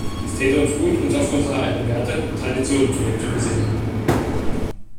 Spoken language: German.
Es täte uns gut, uns auf unsere alten Werte und Traditionen zurückzubesinnen.